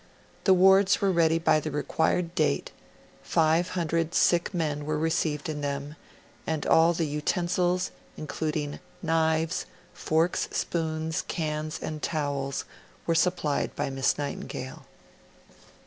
The wards were ready by the required date; 500 sick men were received in them; and all the utensils, including knives, forks, spoons, cans and towels, were supplied by Miss Nightingale.